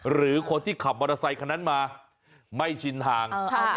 หรือคนที่ขับมอเตอร์ไซคันนั้นมาไม่ชินทาง